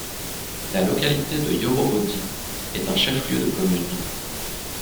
La localité de Yorobodi est un chef-lieu de commune.